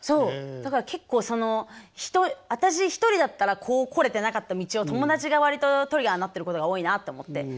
だから結構その私一人だったらこう来れてなかった道を友達が割とトリガーになってることが多いなって思って。